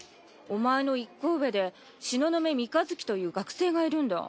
お前の１個上で東雲三日月という学生がいるんだ。